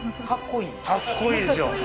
かっこいい？